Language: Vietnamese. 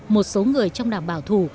một số người trong đảng bảo thủ